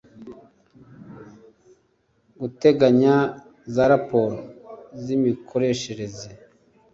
guteganya za raporo z imikoreshereze